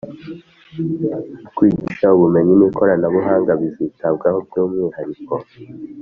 kwigisha ubumenyi n'ikoranabuhanga bizitabwaho by'umwihariko.